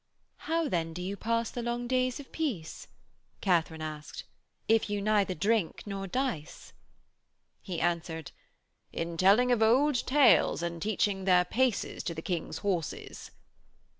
'How, then, do you pass the long days of peace,' Katharine asked, 'if you neither drink nor dice?' He answered: 'In telling of old tales and teaching their paces to the King's horses.'